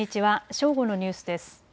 正午のニュースです。